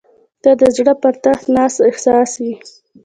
• ته د زړه پر تخت ناست احساس یې.